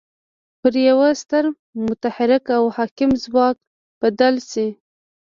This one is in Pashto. چې پر يوه ستر متحرک او حاکم ځواک بدل شي.